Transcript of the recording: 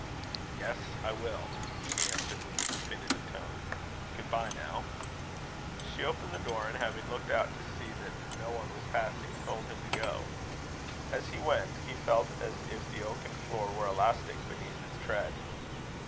"Yes, I will," she answered, with a definitive tone. "Good bye, now." She opened the door, and having looked out to see that no one was passing, told him to go. As he went, he felt as if the oaken floor were elastic beneath his tread.